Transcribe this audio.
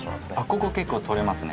「ここ結構採れますね」